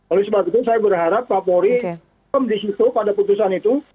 oleh sebab itu saya berharap pak polri akan disitu pada keputusan itu